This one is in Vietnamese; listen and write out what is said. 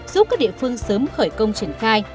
giúp các địa phương sớm khởi công triển khai